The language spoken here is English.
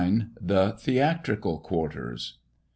The Theatrical Quarters.